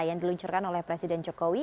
yang diluncurkan oleh presiden jokowi